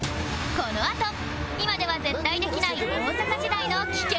このあと今では絶対できない大阪時代の危険なロケ！